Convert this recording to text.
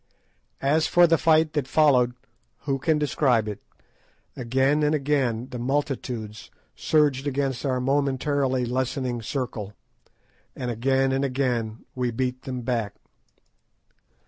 As for the fight that followed, who can describe it? Again and again the multitudes surged against our momentarily lessening circle, and again and again we beat them back.